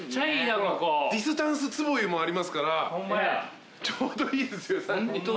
ディスタンスつぼ湯もありますからちょうどいいっすよ３人。